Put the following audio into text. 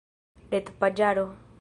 retpaĝaro